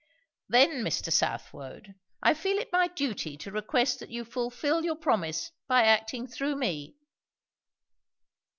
"Then, Mr. Southwode, I feel it my duty to request that you fulfil your promise by acting through me."